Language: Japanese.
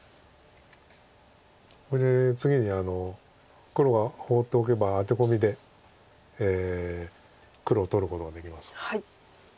これ次に黒が放っておけばアテコミで黒を取ることができます。